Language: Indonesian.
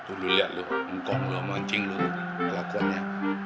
tuh lu liat lu ngkong lu moncing lu tuh kelakuannya